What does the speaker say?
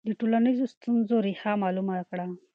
د ټولنیزو ستونزو ریښه معلومه کړه.